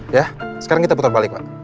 ya sekarang kita putar balik pak